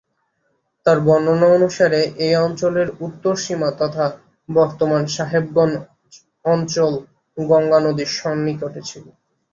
তার বর্ণনা অনুসারে এই অঞ্চলের উত্তর সীমা তথা বর্তমান সাহেবগঞ্জ অঞ্চল গঙ্গা নদীর সন্নিকটে ছিল।